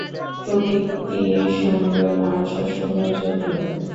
প্রকৃতি সুন্দর, মানুষও সৌন্দর্যপ্রিয়।